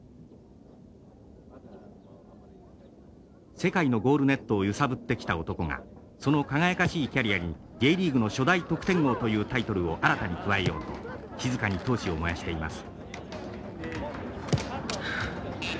世界のゴールネットを揺さぶってきた男がその輝かしいキャリアにＪリーグの初代得点王というタイトルを新たに加えようと静かに闘志を燃やしています。